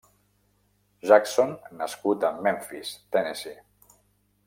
Jackson nascut a Memphis Tennessee.